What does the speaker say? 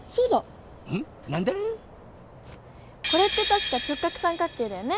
これってたしか直角三角形だよね。